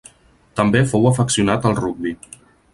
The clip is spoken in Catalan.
També fou afeccionat al rugbi.